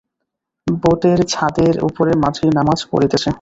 বোটের ছাদের উপরে মাঝি নমাজ পড়িতেছে।